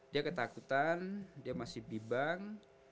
dia ketakutan dia masih bimbang